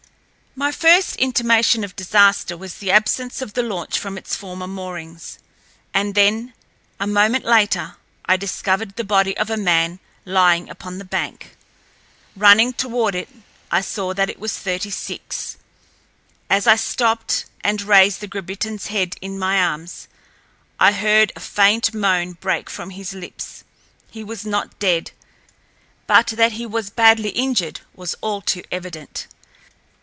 My first intimation of disaster was the absence of the launch from its former moorings. And then, a moment later—I discovered the body of a man lying upon the bank. Running toward it, I saw that it was Thirty six, and as I stopped and raised the Grabritinl's head in my arms, I heard a faint moan break from his lips. He was not dead, but that he was badly injured was all too evident.